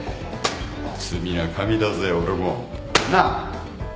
罪な神だぜ俺も。なあ？